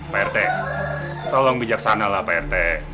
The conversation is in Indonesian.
pak reti tolong bijaksana pak reti